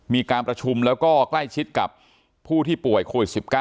มีการประชุมแล้วก็ใกล้ชิดกับผู้ที่ป่วยโควิด๑๙